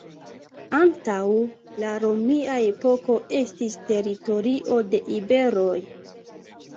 Antaŭ la romia epoko estis teritorio de iberoj.